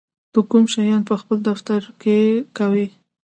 ته کوم شیان په خپل دفتر کې کوې؟